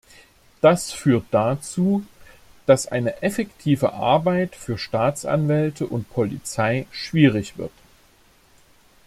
Das führt dazu, dass eine effektive Arbeit für Staatsanwälte und Polizei schwierig wird.